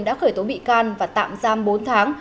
đã khởi tố bị can và tạm giam bốn tháng